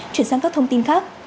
chuyển sang các thông tin khác